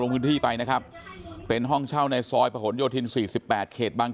พื้นที่ไปนะครับเป็นห้องเช่าในซอยประหลโยธิน๔๘เขตบาง